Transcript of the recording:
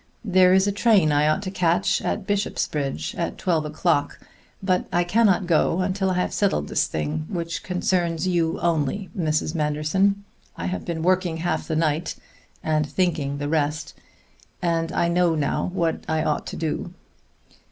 "There is a train I ought to catch at Bishopsbridge at twelve o'clock, but I cannot go until I have settled this thing, which concerns you only, Mrs. Manderson. I have been working half the night, and thinking the rest; and I know now what I ought to do."